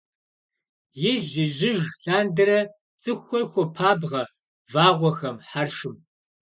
Ижь-ижьыж лъандэрэ цӏыхухэр хуопабгъэ вагъуэхэм, хьэршым.